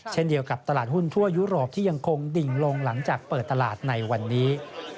เช่นเดียวกับตลาดหุ้นทั่วยุโรปที่ยังคงดิ่งลงหลังจากเปิดตลาดในวันนี้